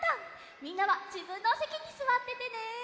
みんなはじぶんのおせきにすわっててね。